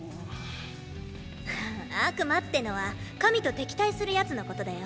悪魔ってのは神と敵対する奴のことだよ。